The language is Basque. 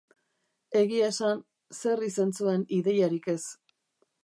Egia esan, zer izen zuen ideiarik ez.